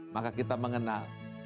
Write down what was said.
maka kita mengenal